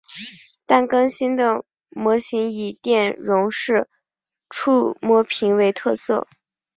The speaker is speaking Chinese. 但更新的模型以电容式触摸屏为特色。